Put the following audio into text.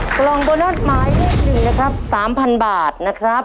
กล่องโบนัสหมายเลข๑นะครับ๓๐๐บาทนะครับ